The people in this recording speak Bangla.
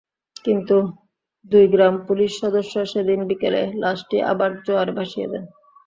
কিন্তু দুই গ্রাম পুলিশ সদস্য সেদিন বিকেলে লাশটি আবার জোয়ারে ভাসিয়ে দেন।